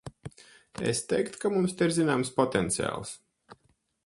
Es teiktu, ka mums te ir zināms potenciāls.